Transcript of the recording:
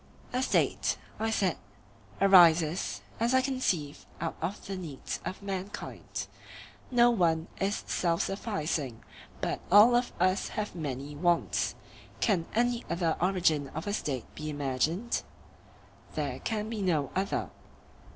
A State, I said, arises, as I conceive, out of the needs of mankind; no one is self sufficing, but all of us have many wants. Can any other origin of a State be imagined? There can be no other.